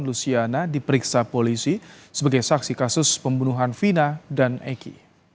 luciana diperiksa polisi sebagai saksi kasus pembunuhan vina dan eki